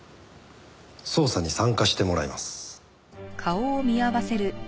捜査に参加してもらいます。